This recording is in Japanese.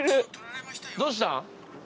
どうしたん？